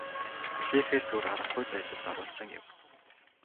Хүлээхээс өөр аргагүй байдалд оруулсан юм.